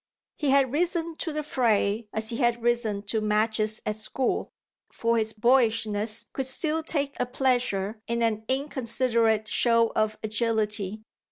He had risen to the fray as he had risen to matches at school, for his boyishness could still take a pleasure in an inconsiderate show of agility.